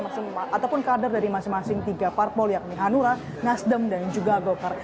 walaupun kader dari masing masing tiga partpol yakni hanura nasdem dan juga gokar